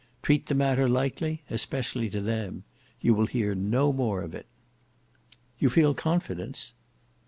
Treat the matter lightly, especially to them. You will hear no more of it." "You feel confidence?"